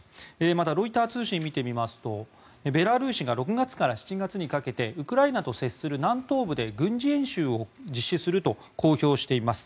またロイター通信を見てみますとベラルーシが６月から７月にかけてウクライナと接する南東部で軍事演習を実施すると公表しています。